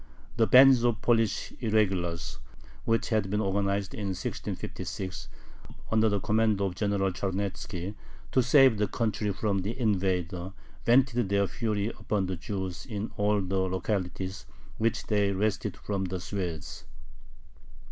The bands of Polish irregulars, which had been organized in 1656, under the command of General Charnetzki, to save the country from the invader, vented their fury upon the Jews in all the localities which they wrested from the Swedes.